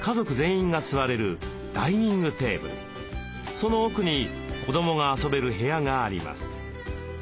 その奥に子どもが遊べる部屋があります。